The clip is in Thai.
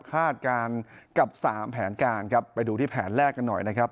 คาดการณ์กับสามแผนการครับไปดูที่แผนแรกกันหน่อยนะครับ